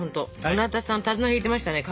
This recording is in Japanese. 村田さん手綱引いてましたね。